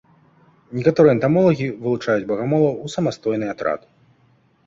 Некаторыя энтамолагі вылучаюць багамолаў у самастойны атрад.